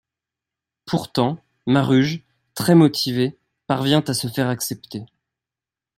Pourtant, Maruge, très motivé, parvient à se faire accepter.